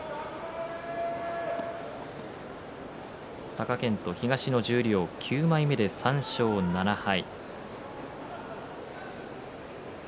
貴健斗、東の十両９枚目で３勝７敗。